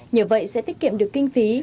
nhờ vậy sẽ tiết kiệm được kinh phí